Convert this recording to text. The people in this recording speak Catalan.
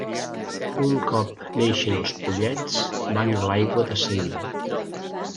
Un cop neixen els pollets van a l'aigua de seguida.